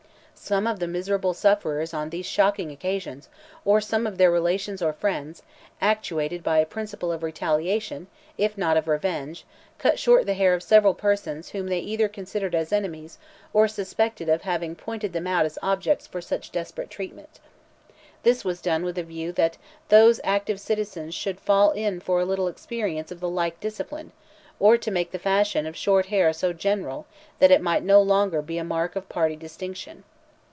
Some of the miserable sufferers on these shocking occasions, or some of their relations or friends, actuated by a principle of retaliation, if not of revenge, cut short the hair of several persons whom they either considered as enemies or suspected of having pointed them out as objects for such desperate treatment. This was done with a view that those active citizens should fall in for a little experience of the like discipline, or to make the fashion of short hair so general that it might no longer be a mark of party distinction."